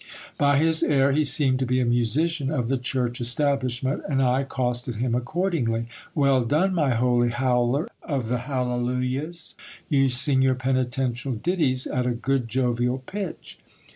By his air, he seemed to be a musician of the church establishment, and I accosted him accordingly. Well done, my holy howler of the hallelujahs ! You sing your penitential ditties at a good jovial pitch.